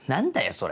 それ。